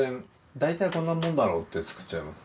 だいたいこんなもんだろって作っちゃいます。